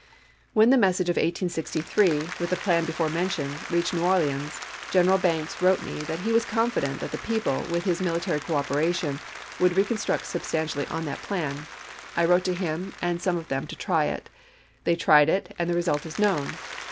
When the message of 1863, with the plan before mentioned, reached New Orleans, Gen eral Banks wrote me that he was confident that the people, with his military cooperation, would recon struct substantially on that plan. I wrote to him and some of them to try it. They tried it, and the result is known.